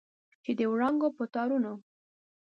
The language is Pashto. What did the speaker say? چې د وړانګو په تارونو